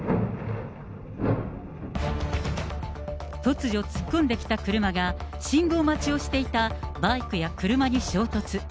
突如、突っ込んできた車が、信号待ちをしていたバイクや車に衝突。